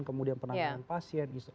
kemudian penanganan pasien